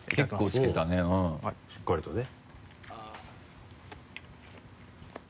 しっかりとね。